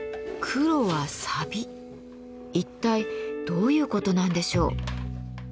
一体どういう事なんでしょう？